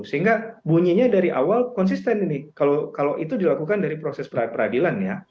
sehingga bunyinya dari awal konsisten ini kalau itu dilakukan dari proses peradilan ya